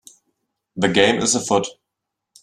The game is afoot